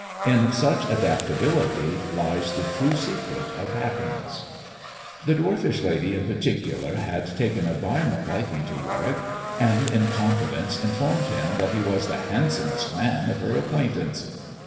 In such adaptability lies the true secret of happiness. The dwarfish lady in particular had taken a violent liking to Warwick ; and, in confidence, informed him that he was the handsomest man of her acquaintance.